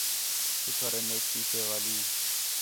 شُکر ہے میک شیشے والی